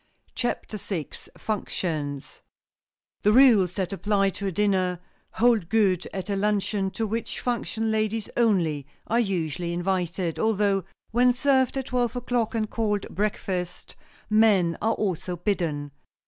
CHAPTER VI FUNCTIONS THE rules that apply to a dinner hold good at a luncheon, to which function ladies only are usually invited, although when served at twelve o'clock, and called "breakfast," men are also bidden.